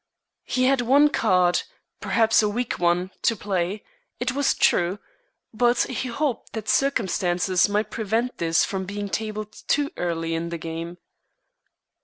He had one card, perhaps a weak one, to play, it was true, but he hoped that circumstances might prevent this from being tabled too early in the game.